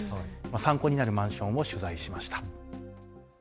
参考になるマンションを取材しました。